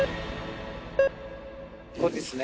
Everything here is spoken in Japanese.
ここですね。